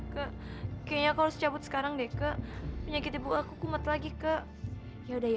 kayaknya kalau secaput sekarang deh ke penyakit ibu aku kumat lagi ke ya udah ya